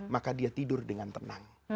maka dia tidur dengan tenang